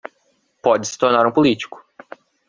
Pode se tornar um político